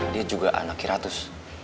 dia juga anak kiratus